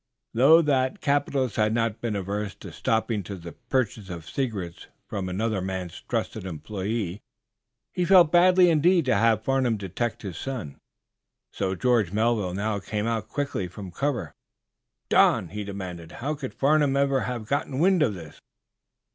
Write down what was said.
Though that capitalist had not been averse to stooping to the purchase of secrets from another man's trusted employe, he felt badly indeed to have Farnum detect his son. So George Melville now came out quickly from cover. "Don," he demanded, "how could Farnum ever have gotten wind of this?"